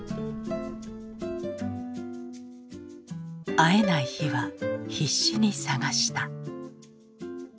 会えない日は必死に捜した。